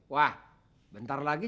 wah bentar lagi